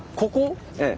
ええ。